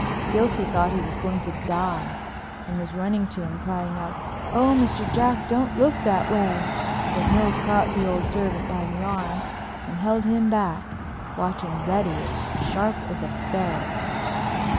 Gilsey thought he was going to die and was for running to him, crying out, "Oh, Mr. Jack, don't look that way." But Mills caught the old servant by the arm and held him back, watching Reddy as sharp as a ferret.